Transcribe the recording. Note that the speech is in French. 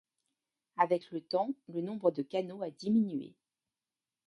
Avec le temps, le nombre de canaux a diminué.